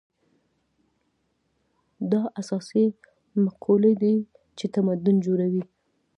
دا اساسي مقولې دي چې تمدن جوړوي.